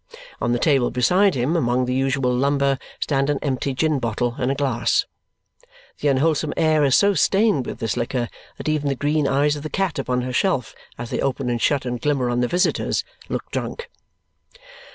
On the table beside him, among the usual lumber, stand an empty gin bottle and a glass. The unwholesome air is so stained with this liquor that even the green eyes of the cat upon her shelf, as they open and shut and glimmer on the visitors, look drunk.